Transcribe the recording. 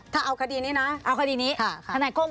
ถ้าเอาคดีนี้นะ